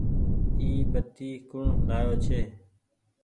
اي بتي ڪوڻ لآيو ڇي۔